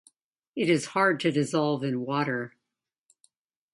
It is hard to dissolve in water.